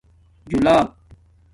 جولپ